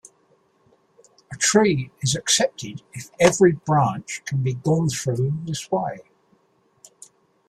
A tree is accepted if every branch can be gone through this way.